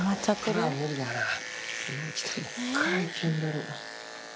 どこからいけるんだろう。